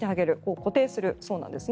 固定するそうなんですね。